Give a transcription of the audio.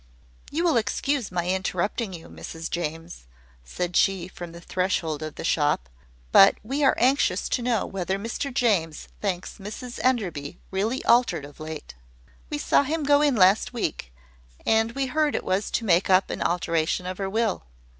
"You will excuse my interrupting you, Mrs James," said she, from the threshold of the shop: "but we are anxious to know whether Mr James thinks Mrs Enderby really altered of late. We saw him go in last week, and we heard it was to make an alteration in her will."